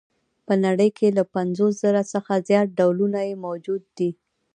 په نړۍ کې له پنځوس زره څخه زیات ډولونه یې موجود دي.